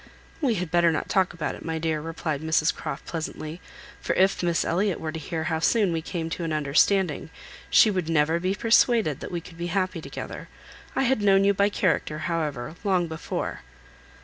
"We had better not talk about it, my dear," replied Mrs Croft, pleasantly; "for if Miss Elliot were to hear how soon we came to an understanding, she would never be persuaded that we could be happy together. I had known you by character, however, long before."